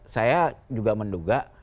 saya juga menduga